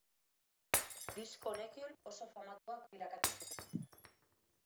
Disko honekin oso famatuak bilakatu ziren.